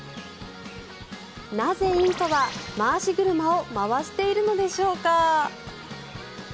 なぜインコは回し車を回しているのでしょうか。